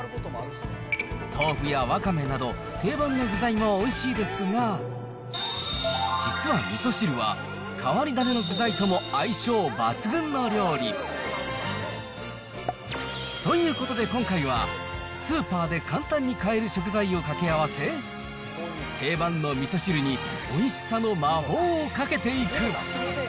豆腐やワカメなど、定番の具材もおいしいですが、実はみそ汁は、変わり種の具材とも相性抜群の料理。ということで、今回はスーパーで簡単に買える食材を掛け合わせ、定番のみそ汁においしさの魔法をかけていく。